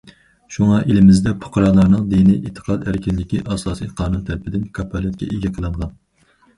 شۇڭا ئېلىمىزدە پۇقرالارنىڭ دىنىي ئېتىقاد ئەركىنلىكى ئاساسىي قانۇن تەرىپىدىن كاپالەتكە ئىگە قىلىنغان.